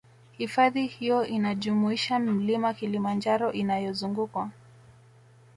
Hifadhi hiyo inajumuisha Mlima Kilimanjaro inayozungukwa